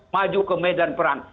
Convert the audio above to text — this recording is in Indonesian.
maju ke medan perang